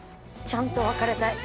ちゃんと別れたい。